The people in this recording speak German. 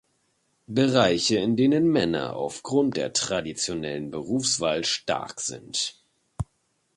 Bereiche, in denen die Männer auf Grund der traditionellen Berufswahl stark sind.